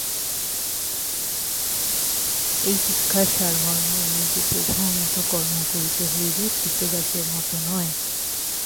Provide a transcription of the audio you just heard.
এই শিক্ষার সারমর্ম এই যে প্রভুর মত কর্ম করিতে হইবে, ক্রীতদাসের মত নয়।